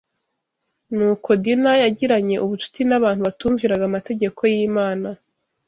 Ni uko Dina yagiranye ubucuti n’abantu batumviraga amategeko y’Imana